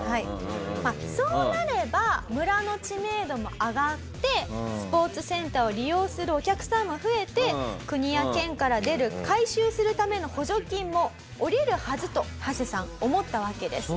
そうなれば村の知名度も上がってスポーツセンターを利用するお客さんが増えて国や県から出る改修するための補助金も下りるはずとハセさん思ったわけです。